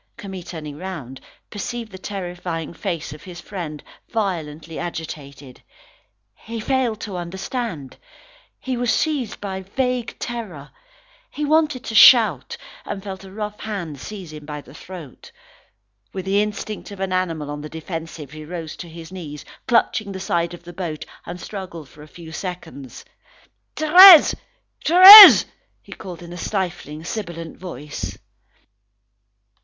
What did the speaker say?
Camille turning round, perceived the terrifying face of his friend, violently agitated. He failed to understand. He was seized with vague terror. He wanted to shout, and felt a rough hand seize him by the throat. With the instinct of an animal on the defensive, he rose to his knees, clutching the side of the boat, and struggled for a few seconds. "Thérèse! Thérèse!" he called in a stifling, sibilant voice.